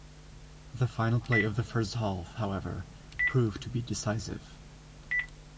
The final play of the first half, however, proved to be decisive.